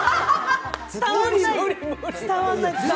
伝わない。